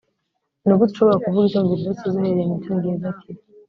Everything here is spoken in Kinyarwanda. nigute ushobora kuvuga icyongereza cyiza uhereye mucyongereza kibi